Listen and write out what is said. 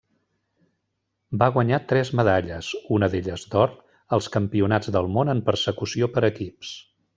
Va guanyar tres medalles, una d'elles d'or, als Campionats del món en Persecució per equips.